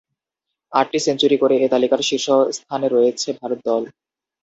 আটটি সেঞ্চুরি করে এ তালিকার শীর্ষস্থানে রয়েছে ভারত দল।